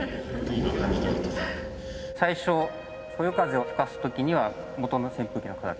最初そよ風を吹かす時には元の扇風機の形。